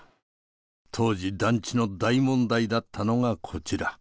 当時団地の大問題だったのがこちら。